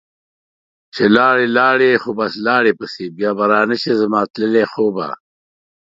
چې لاړي لاړي خو بس لاړي پسي ، بیا به رانشي زما تللي خوبه